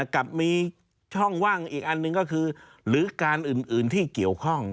กับมีช่องว่างอีกอันหนึ่งก็คือหรือการอื่นที่เกี่ยวข้อง